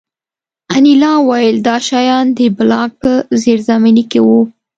انیلا وویل دا شیان د بلاک په زیرزمینۍ کې وو